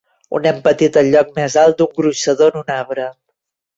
Un nen petit al lloc més alt d'un gronxador en un arbre.